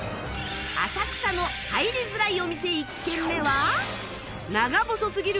浅草の入りづらいお店１軒目は